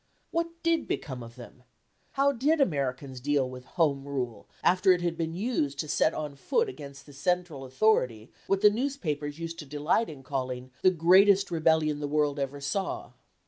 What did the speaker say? What did become of them? How did Americans deal with Home Rule, after it had been used to set on foot against the central authority what the newspapers used to delight in calling "the greatest rebellion the world ever saw"?